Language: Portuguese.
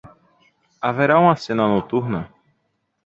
Haverá uma cena noturna?